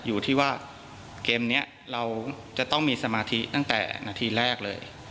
อยู่ที่ว่าเกมนี้เราจะต้องมีสมาธิตั้งแต่นาทีแรกเลย